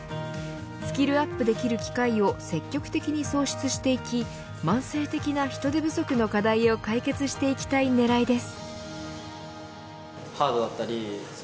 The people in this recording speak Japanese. スキルアップできる機会を積極的に創出していき慢性的の人手不足の課題を解決していきたい狙いです。